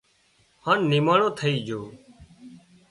هانَ نماڻو ٿئي جھو